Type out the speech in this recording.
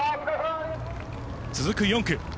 続く４区。